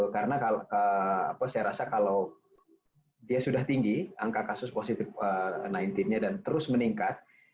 karena saya rasa kalau dia sudah tinggi angka kasus positif sembilan belas nya dan terus meningkat